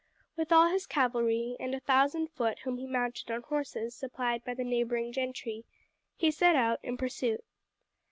With all his cavalry, and a thousand foot whom he mounted on horses supplied by the neighbouring gentry, he set out in pursuit.